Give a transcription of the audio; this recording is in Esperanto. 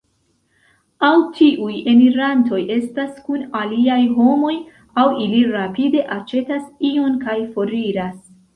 Aŭ tiuj enirantoj estas kun aliaj homoj, aŭ ili rapide aĉetas ion kaj foriras.